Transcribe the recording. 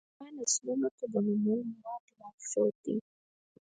دا نسلونو ته د منلو وړ لارښود دی.